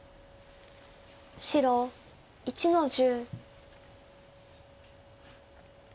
白１の十。